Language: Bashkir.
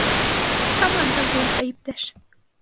Команда буйынса иптәш